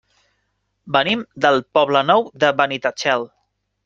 Venim del Poble Nou de Benitatxell.